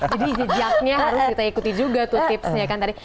jadi jejaknya harus kita ikuti juga tuh tipsnya kan tadi